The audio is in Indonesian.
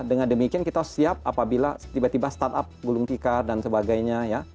dengan demikian kita siap apabila tiba tiba startup gulung tikar dan sebagainya ya